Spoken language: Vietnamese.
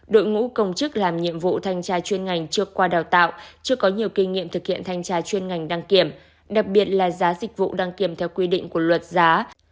đội ngũ công chức làm nhiệm vụ thanh tra chuyên ngành chưa qua đào tạo chưa có nhiều kinh nghiệm thực hiện thanh tra chuyên ngành đăng kiểm đặc biệt là giá dịch vụ đăng kiểm theo quy định của luật giá